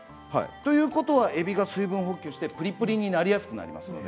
ということは、えびが水分補給をしてプリプリになりやすくなります。